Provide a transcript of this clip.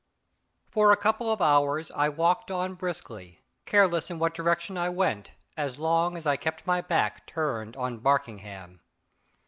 FOR a couple of hours I walked on briskly, careless in what direction I went, so long as I kept my back turned on Barkingham.